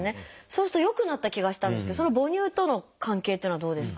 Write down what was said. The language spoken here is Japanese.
そうすると良くなった気がしたんですけど母乳との関係っていうのはどうですか？